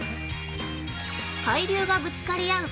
海流がぶつかり合う